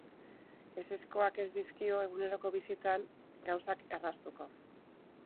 Ezezkoak ez dizkio eguneroko bizitzan gauzak erraztuko.